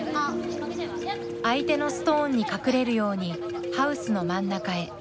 相手のストーンに隠れるようにハウスの真ん中へ。